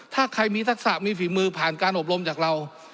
ถ้าใครมีทักษะมีฝีมือผ่านการอบรมจากเรา